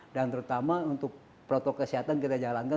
dan terutama untuk protokol kesehatan kita jalankan